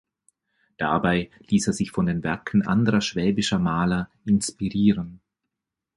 Dabei ließ er sich von den Werken anderer schwäbischer Maler inspirieren.